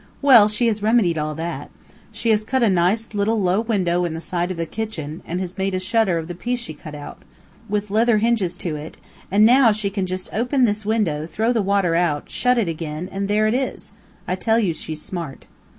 Well, she has remedied all that. She has cut a nice little low window in the side of the kitchen, and has made a shutter of the piece she cut out, with leather hinges to it, and now she can just open this window, throw the water out, shut it again, and there it is! I tell you she's smart."